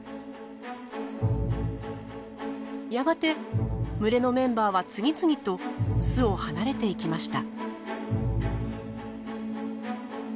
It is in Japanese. やがて群れのメンバーは次々と巣を離れていきました。